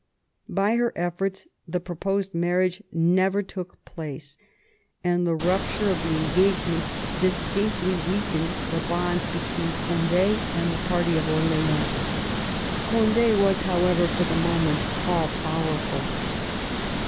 By her eflTorts the proposed marriage never took place, and the rupture of the engagement distinctly weakened the bonds between Cond^ and the party 92 MAZARIN chap. of Orleans. Cond^ was, however, for the moment all powerful.